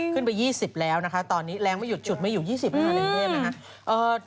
ขึ้นไป๒๐แล้วนะฮะตอนนี้แรงไม่หยุดฉุดไม่อยู่๒๐นะคะในเมธม